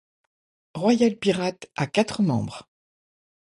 Royal Pirates a quatre membres.